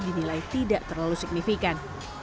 dinilai tidak terlalu signifikan